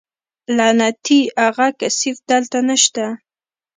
لعنتي اغه کثيف دلته نشته.